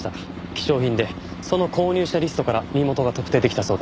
希少品でその購入者リストから身元が特定できたそうです。